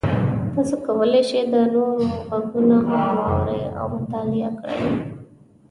تاسو کولی شئ د نورو غږونه هم واورئ او مطالعه کړئ.